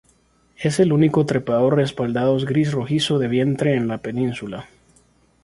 Es el único trepador respaldados gris rojizo de vientre en la península.